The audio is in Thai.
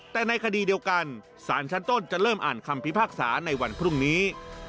แต่ในคดีเดียวกันสารชั้นต้นจะเริ่มอ่านคำพิพากษาในวันพรุ่งนี้